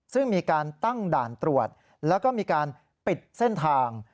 ซึ่งมีการตั้งด่านตรวจแล้วก็มีการปิดเส้นทาง